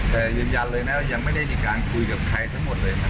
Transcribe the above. แต่ยืนยันเลยนะว่ายังไม่ได้มีการคุยกับใครทั้งหมดเลยนะครับ